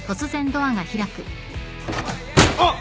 あっ！